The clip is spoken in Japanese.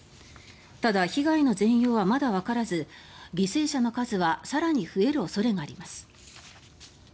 ただ、被害の全容はまだわからず犠牲者の数は更に増える恐れがあります。